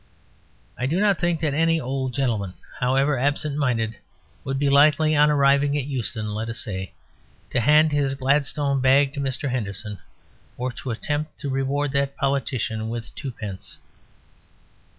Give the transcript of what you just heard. I do not think that any old gentleman, however absent minded, would be likely on arriving at Euston, let us say, to hand his Gladstone bag to Mr. Henderson or to attempt to reward that politician with twopence.